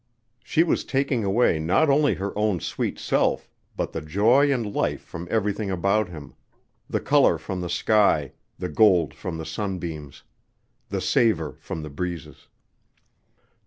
She was taking away not only her own sweet self, but the joy and life from everything about him; the color from the sky, the gold from the sunbeams, the savor from the breezes.